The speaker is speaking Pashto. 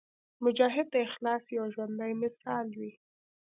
مجاهد د اخلاص یو ژوندی مثال وي.